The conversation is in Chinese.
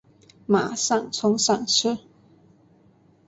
马上冲上车